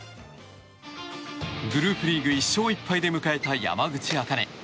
グループリーグ１勝１敗で迎えた山口茜。